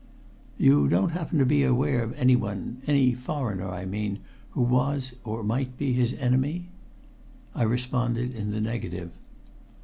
"You don't happen to be aware of anyone any foreigner, I mean who was, or might be his enemy?" I responded in the negative.